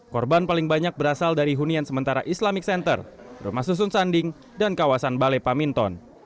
korban paling banyak berasal dari hunian sementara islamic center rumah susun sanding dan kawasan balai paminton